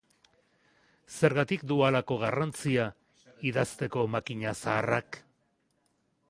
Zergatik du halako garrantzia idazteko makina zaharrak?